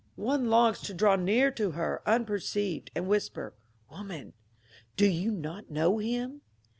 . One longs to draw near to her unperceived, and whisper, Woman I do you not know him